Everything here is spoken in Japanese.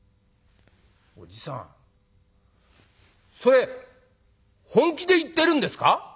「おじさんそれ本気で言ってるんですか？